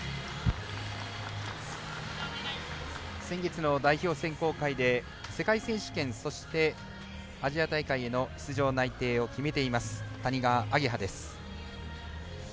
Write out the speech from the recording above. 先月の代表選考会で世界選手権そして、アジア大会への出場内定を決めています谷川亜華葉です。